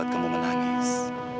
tak ada manfaat